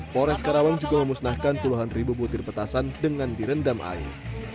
polres karawang juga memusnahkan puluhan ribu butir petasan dengan direndam air